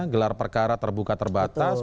gelar perkara terbuka terbatas